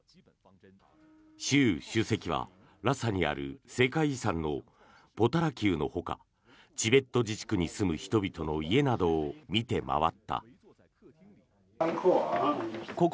習主席はラサにある世界遺産のポタラ宮のほかチベット自治区に住む人の家などを見て回った。